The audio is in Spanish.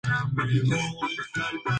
Castañón, Adolfo.